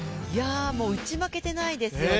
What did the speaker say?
打ち負けていないですよね。